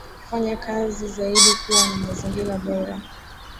kufanya kazi zaidi kuwa na mazingira bora